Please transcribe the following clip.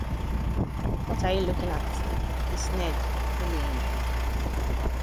“What are you lookin' at?” he sneered, bullying.